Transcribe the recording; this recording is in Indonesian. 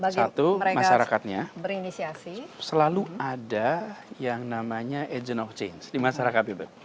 satu masyarakatnya selalu ada yang namanya agent of change di masyarakat